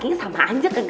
kacau sama aja kak